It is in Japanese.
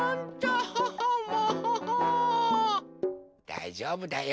だいじょうぶだよ。